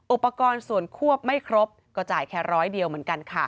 อุปกรณ์ส่วนควบไม่ครบก็จ่ายแค่ร้อยเดียวเหมือนกันค่ะ